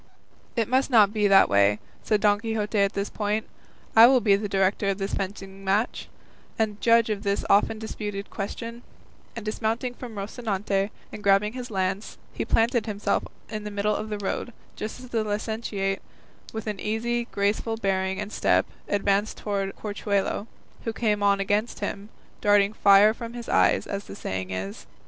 "It must not be that way," said Don Quixote at this point; "I will be the director of this fencing match, and judge of this often disputed question;" and dismounting from Rocinante and grasping his lance, he planted himself in the middle of the road, just as the licentiate, with an easy, graceful bearing and step, advanced towards Corchuelo, who came on against him, darting fire from his eyes, as the saying is.